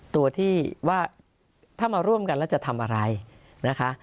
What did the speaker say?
ตัวที่ว่าถ้ามาร่วมกันแล้วจะทำอะไรนะคะ